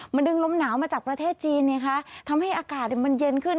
มันดึงลมหนาวมาจากประเทศจีนไงคะทำให้อากาศมันเย็นขึ้น